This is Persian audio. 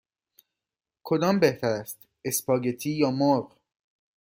کدام بهتر است: اسپاگتی یا مرغ؟